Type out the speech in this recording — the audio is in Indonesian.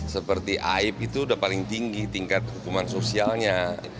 seperti aib itu sudah paling tinggi tingkat hukuman sosialnya